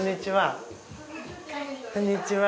こんにちは。